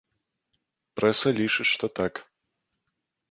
Прэса лічыць, што так.